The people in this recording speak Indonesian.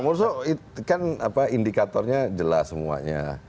mursho itu kan apa indikatornya jelas semuanya